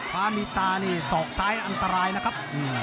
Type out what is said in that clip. ฟ้ามีตานี่ศอกซ้ายอันตรายนะครับ